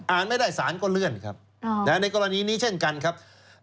ไม่ได้สารก็เลื่อนครับในกรณีนี้เช่นกันครับ